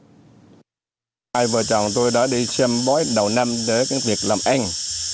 hai vợ chồng tôi đã đi xem bói đầu năm để việc làm anh